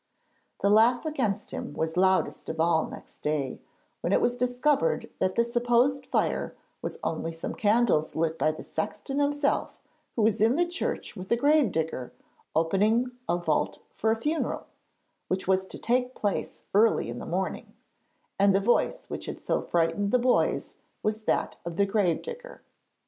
The laugh against him was loudest of all next day, when it was discovered that the supposed fire was only some candles lit by the sexton himself, who was in the church with the grave digger, opening a vault for a funeral which was to take place early in the morning; and the voice which had so frightened the boys was that of the grave digger.